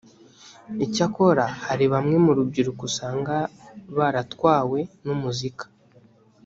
icyakora hari bamwe mu rubyiruko usanga baratwawe n umuzika